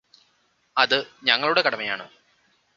അത് ഞങ്ങളുടെ കടമയാണ്